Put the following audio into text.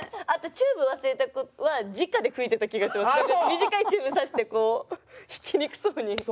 短いチューブ挿してこう弾きにくそうに。